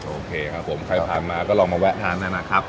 โอเคครับผมใครผ่านมาก็ลองมาแวะทานนะครับ